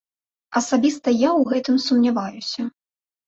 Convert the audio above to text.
Асабіста я ў гэтым сумняваюся.